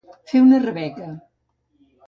Fer una rebeca.